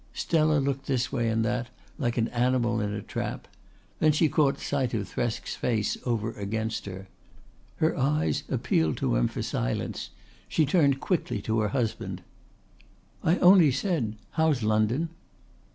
Stella looked this way and that, like an animal in a trap. Then she caught sight of Thresk's face over against her. Her eyes appealed to him for silence; she turned quickly to her husband. "I only said how's London?"